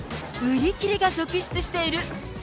売り切れが続出している。